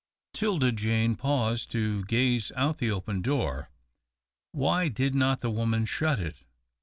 'Tilda Jane paused to gaze out the open door. Why did not the woman shut it?